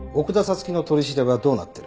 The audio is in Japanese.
月の取り調べはどうなってる？